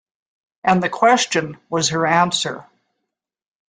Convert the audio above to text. And the question was her answer.